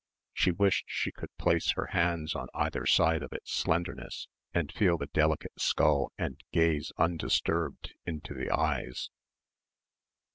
She wished she could place her hands on either side of its slenderness and feel the delicate skull and gaze undisturbed into the eyes.